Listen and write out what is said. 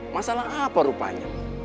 masalah apa rupanya